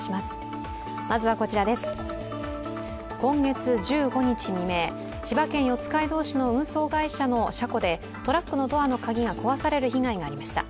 今月１５日未明、千葉県四街道市の運送会社の車庫で、トラックのドアの鍵が壊される被害がありました。